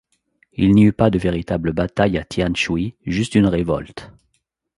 Il n'y eut pas de véritable bataille à Tianshui, juste une révolte.